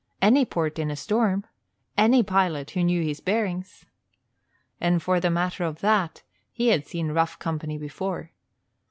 Any port in a storm any pilot who knew his bearings! And for the matter of that, he had seen rough company before.